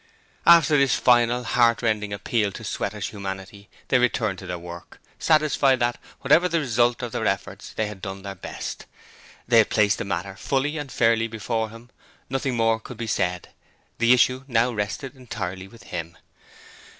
After this final heartrending appeal to Sweater's humanity they returned to work, satisfied that, whatever the result of their efforts, they had done their best. They had placed the matter fully and fairly before him: nothing more could be said: the issue now rested entirely with him.